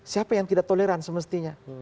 siapa yang tidak toleran semestinya